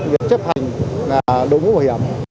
việc chấp hành đồ ngũ bổ hiểm